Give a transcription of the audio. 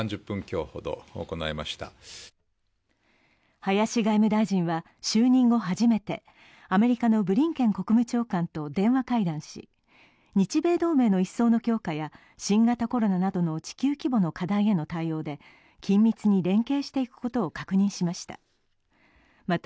林外務大臣は就任後初めて、アメリカのブリンケン国務長官と電話会談し、日米同盟の一層の強化や新型コロナなどの地球規模の課題への対応で緊密に連携していくことを確認しました。